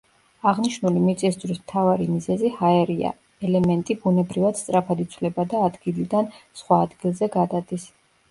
აღნიშნული მიწისძვრის მთავარი მიზეზი ჰაერია, ელემენტი ბუნებრივად სწრაფად იცვლება და ადგილიდან სხვა ადგილზე გადადის.